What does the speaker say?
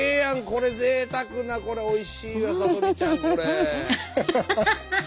これぜいたくなこれおいしいわさとみちゃんこれ。